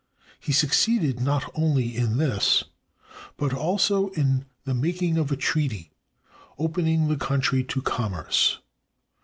He succeeded not only in this, but also in the making of a treaty opening the country to commerce.